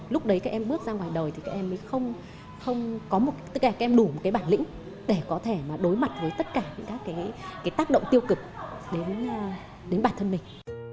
lúc đấy các em bước ra ngoài đời thì các em đủ một cái bản lĩnh để có thể đối mặt với tất cả các tác động tiêu cực đến bản thân mình